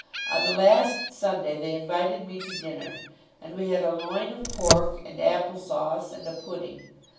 On the last Sunday, they invited me to dinner; and we had a loin of pork and apple sauce, and a pudding.